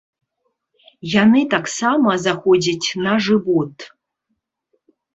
Яны таксама заходзяць на жывот.